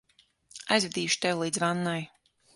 Aizvedīšu tevi līdz vannai.